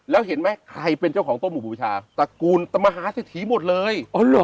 แล้วเห็นไหมใครเป็นเจ้าของโต้หมู่บูชาตระกูลตมหาเศรษฐีหมดเลย